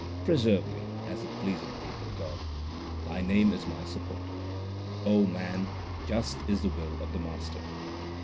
Preserve me as it pleaseth Thee, O God ; Thy name is my support. man, just is the will of the Master.